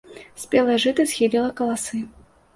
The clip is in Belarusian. Спелае жыта схіліла каласы.